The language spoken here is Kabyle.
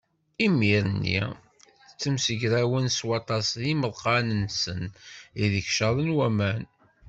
Imir-nni i ttemsegrawen s waṭas deg yimeḍqan-nsen ideg caḍen waman.